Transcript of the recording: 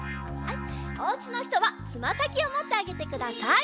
おうちのひとはつまさきをもってあげてください。